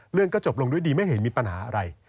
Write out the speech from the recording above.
เรื่องก็จบลงด้วยดีไม่เห็นมีปัญหาอะไร